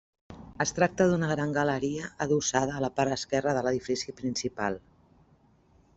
Es tracta d'una gran galeria adossada a la part esquerra de l'edifici principal.